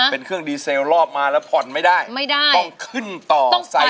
เป็นเครื่องดีเซลรอบมาแล้วผ่อนไม่ได้ไม่ได้ต้องขึ้นต่อใส่